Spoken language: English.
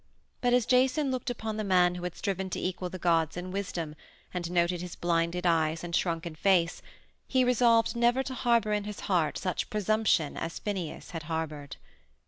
But as Jason looked upon the man who had striven to equal the gods in wisdom, and noted his blinded eyes and shrunken face, he resolved never to harbor in his heart such presumption as Phineus had harbored.